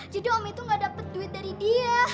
jadi om itu gak dapet duit dari dia